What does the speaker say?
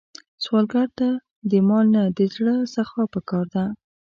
سوالګر ته د مال نه، د زړه سخا پکار ده